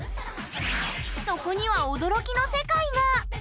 そこには驚きの世界が！